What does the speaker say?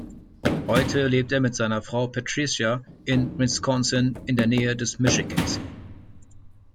Heute lebt er mit seiner Frau Patricia in Wisconsin in der Nähe des Michigansee.